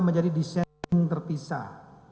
menjadi disen terpisah